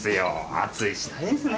暑いわね。